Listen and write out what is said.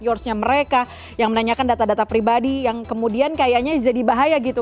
yoursnya mereka yang menanyakan data data pribadi yang kemudian kayaknya jadi bahaya gitu